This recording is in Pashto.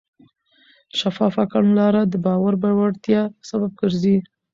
شفافه کړنلاره د باور پیاوړتیا سبب ګرځي.